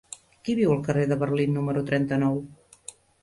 Qui viu al carrer de Berlín número trenta-nou?